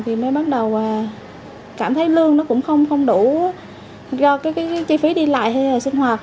thì mới bắt đầu cảm thấy lương nó cũng không đủ do cái chi phí đi lại sinh hoạt